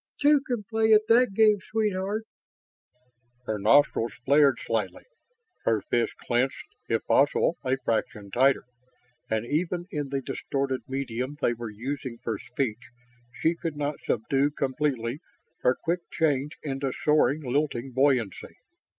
"Two can play at that game, sweetheart." Her nostrils flared slightly; her fists clenched if possible a fraction tighter; and, even in the distorted medium they were using for speech, she could not subdue completely her quick change into soaring, lilting buoyancy.